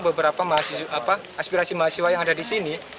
dan menampung beberapa aspirasi mahasiswa yang ada di sini